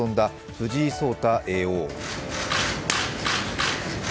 藤井聡太叡王。